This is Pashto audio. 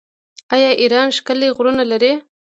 آیا ایران ښکلي غرونه نلري؟